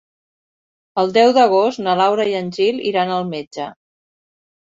El deu d'agost na Laura i en Gil iran al metge.